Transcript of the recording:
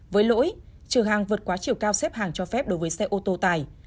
với lỗi trở hàng vượt quá chiều cao xếp hàng cho phép đối với xe ô tô tải